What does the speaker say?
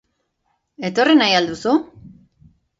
Etorri nahi al duzu?